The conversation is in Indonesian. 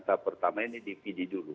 tahap pertama ini di pd dulu